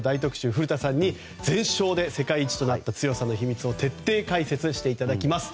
古田さんに全勝で世界一となった強さの秘密を徹底解説していただきます。